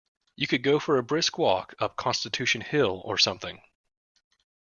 You could go for a brisk walk up Constitution Hill or something.